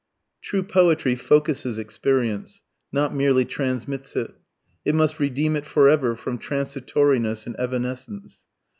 True poetry focuses experience, not merely transmits it. It must redeem it for ever from transitoriness and evanescence.